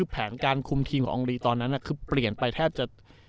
แผนการคุมทีมของอองลีตอนนั้นคือเปลี่ยนไปแทบจะ